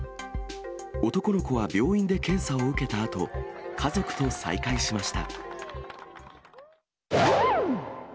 男の子は病院で検査を受けたあと、家族と再会しました。